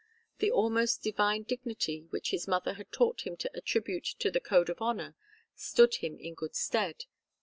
The almost divine dignity which his mother had taught him to attribute to the code of honour stood him in good stead.